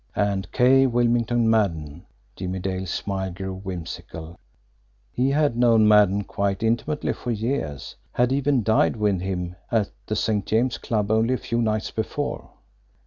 And K. Wilmington Maddon Jimmie Dale's smile grew whimsical he had known Maddon quite intimately for years, had even dined with him at the St. James Club only a few nights before.